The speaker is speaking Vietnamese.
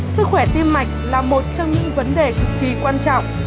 sức khỏe tim mạch là một trong những vấn đề cực kỳ quan trọng